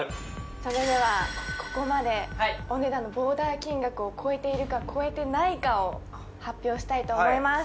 それではここまでお値段のボーダー金額を超えているか超えてないかを発表したいと思います